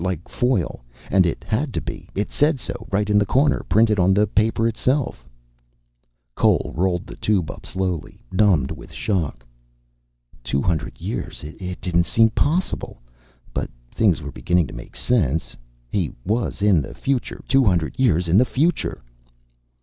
Like foil. And it had to be. It said so, right in the corner, printed on the paper itself. Cole rolled the tube up slowly, numbed with shock. Two hundred years. It didn't seem possible. But things were beginning to make sense. He was in the future, two hundred years in the future.